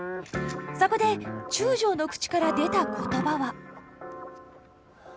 そこで中将の口から出た言葉は。